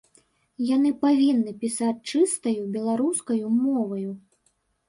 Яны павінны пісаць чыстаю беларускаю моваю.